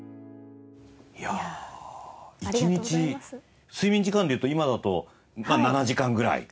いやあ１日睡眠時間でいうと今だと７時間ぐらい？